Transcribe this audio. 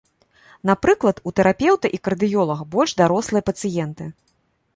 Напрыклад, у тэрапеўта і кардыёлага больш дарослыя пацыенты.